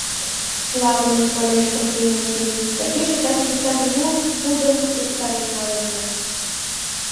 — Славне, — манеш Тропин Яким, — тыгеже, таче иктаж лу пудым йоктарен налына.